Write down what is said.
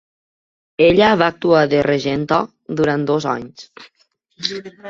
Ella va actuar de regenta durant dos anys.